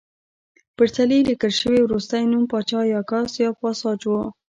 پر څلي لیکل شوی وروستی نوم پاچا یاکس پاساج و